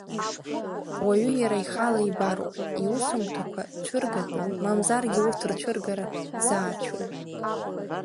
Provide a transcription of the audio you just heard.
Ауаҩы иара ихала ибароуп иусумҭақәа цәыргатәу мамзаргьы урҭ рцәыргара заацәоу.